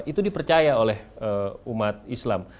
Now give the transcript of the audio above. itu dipercaya oleh umat islam